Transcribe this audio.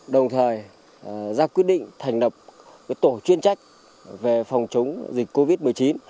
đồng thời ra quyết định thành lập tổ chuyên trách về phòng chống dịch covid một mươi chín